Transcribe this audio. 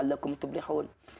untuk kau untuk bertaubat